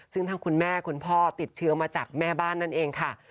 ซึ่งทั้งคุณแม่คุณพ่อติดเชื้อมาจากแม่บ้านนั่นเองค่ะ